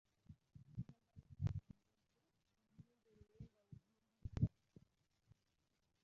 Njagala omwaka ogugya eno ennyumba ebeere nga ezimbiddwa.